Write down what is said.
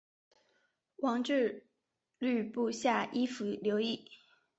王质率部下依附留异。